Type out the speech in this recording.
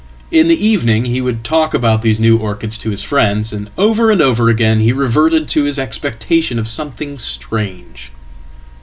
In the evening he would talk about these neworchids to his friends, and over and over again he reverted to hisexpectation of something strange.